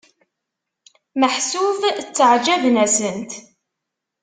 Meḥsub tteɛǧaben-asent?